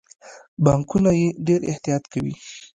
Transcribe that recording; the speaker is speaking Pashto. بانکونه یې ډیر احتیاط کوي.